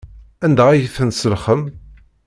Anda ay tent-tselxem?